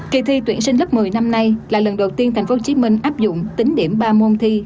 kỳ thi tuyển sinh lớp một mươi năm nay là lần đầu tiên tp hcm áp dụng tính điểm ba môn thi